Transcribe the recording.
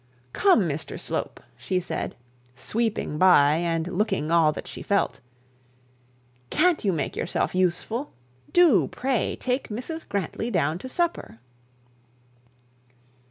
'Come, Mr Slope,' she said, sweeping by, and looking all that she felt; 'can't you make yourself useful? Do pray take Mrs Grantly down to supper.'